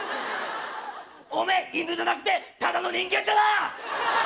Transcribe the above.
おめえ犬じゃなくてただの人間だな！